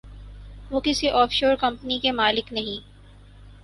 وہ کسی offshore company کے مالک نہیں۔